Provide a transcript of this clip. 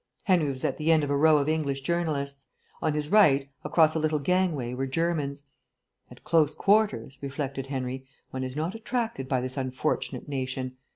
Henry was at the end of a row of English journalists. On his right, across a little gangway, were Germans. "At close quarters," reflected Henry, "one is not attracted by this unfortunate nation.